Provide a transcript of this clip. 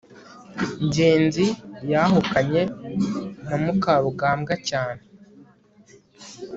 ngenzi yahukanye na mukarugambwa cyane